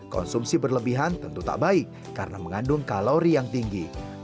konsumsi berlebihan tentu tak baik karena mengandung kalori yang tinggi